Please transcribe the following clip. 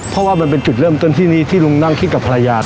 เพราะว่ามันเป็นจุดเริ่มต้นที่นี้ที่ลุงนั่งคิดกับภรรยา